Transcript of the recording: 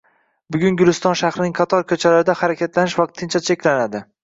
Bugun Guliston shahrining qator ko‘chalarida harakatlanish vaqtincha cheklanadi